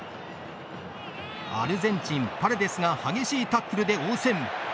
アルゼンチン、パレデスが激しいタックルで応戦。